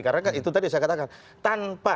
karena kan itu tadi saya katakan